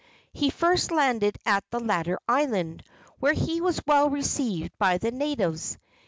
He first landed at the latter island, where he was well received by the natives.